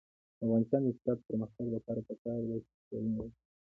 د افغانستان د اقتصادي پرمختګ لپاره پکار ده چې څېړنې وشي.